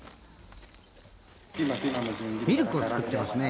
ミルクを作ってますね。